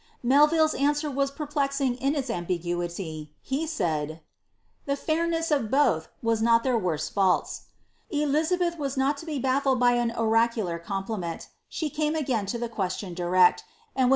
elville's answer was perplexing in its ambiguity, he said, ^ The fair of both wa>« not their worst faults." Elizabeth was not to be baf by an oracular compliment, she came again to the question direct* ^Meaning the inott beauuXUi womaa.